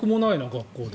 学校で。